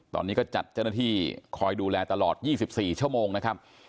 ตอนนี้ก็จัดเจ้าหน้าที่คอยดูแลตลอด๒๔ชั่วโมงนะครับ